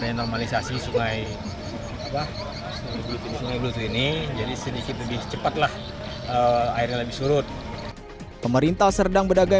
masih sungai sungai ini jadi sedikit lebih cepatlah airnya lebih surut pemerintah serdang bedagai